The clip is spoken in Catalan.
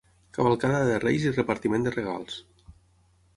Cavalcada de Reis i repartiment de regals.